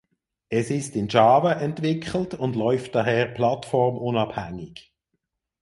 Es ist in Java entwickelt und läuft daher plattformunabhängig.